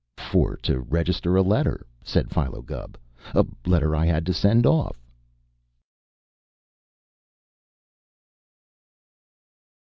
"For to register a letter," said Philo Gubb. "A letter I had to send off."